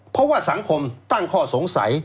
เพราะว่าสังคมตั้งข้อสงสัย